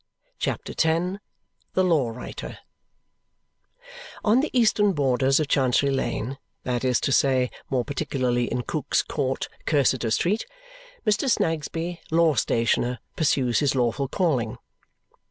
CHAPTER X The Law Writer On the eastern borders of Chancery Lane, that is to say, more particularly in Cook's Court, Cursitor Street, Mr. Snagsby, law stationer, pursues his lawful calling.